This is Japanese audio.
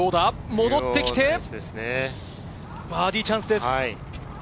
戻ってきて、バーディーチャンスです。